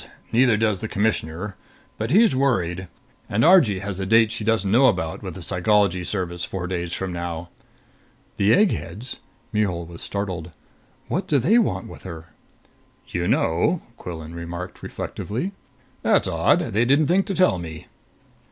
Neither does the Commissioner. But he's worried. And Argee has a date she doesn't know about with the Psychology Service, four days from now." "The eggheads?" Mihul was startled. "What do they want with her?" "You know," Quillan remarked reflectively, "that's odd! They didn't think to tell me."